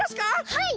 はい！